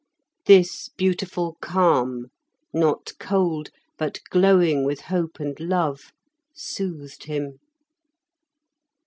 This beautiful calm, not cold, but glowing with hope and love, soothed him.